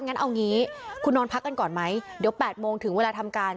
งั้นเอางี้คุณนอนพักกันก่อนไหมเดี๋ยว๘โมงถึงเวลาทำการ